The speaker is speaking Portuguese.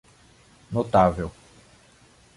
Notável.